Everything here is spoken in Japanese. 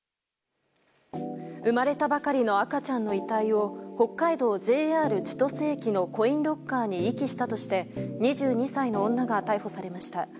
生まれたばかりの赤ちゃんの遺体を北海道ＪＲ千歳駅のコインロッカーに遺棄したとして２２歳の女が逮捕されました。